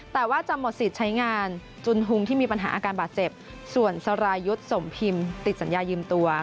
แต่ว่าจะหมดสิทธิ์ใช้งานจุนฮุงที่มีปัญหาอาการบาดเจ็บส่วนสรายุทธ์สมพิมพ์ติดสัญญายืมตัว